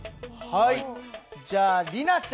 はい！